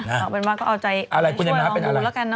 เอาเป็นว่าก็เอาใจช่วยของกูแล้วกันเนอะว่าจะเป็นยังไง